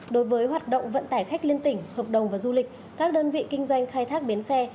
đối với hoạt động vận tải khách liên tỉnh hợp đồng và du lịch các đơn vị kinh doanh khai thác bến xe